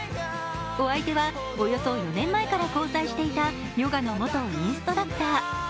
お相手はおよそ４年前から交際していたヨガの元インストラクター。